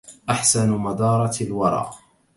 أحسن مدارة الورى